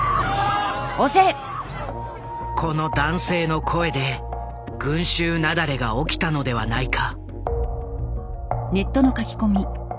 この男性の声で群集雪崩が起きたのではないか。